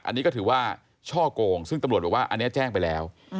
อันนี้ก็ถือว่าช่อกงซึ่งตำรวจบอกว่าอันนี้แจ้งไปแล้ว